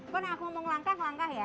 kan aku mau ngelangkah ngelangkah ya